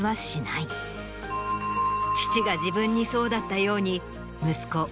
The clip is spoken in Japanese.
父が自分にそうだったように息子